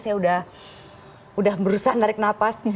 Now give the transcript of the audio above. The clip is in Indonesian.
saya udah berusaha narik napas